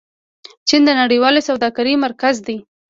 چین د نړیوالې سوداګرۍ مرکز دی.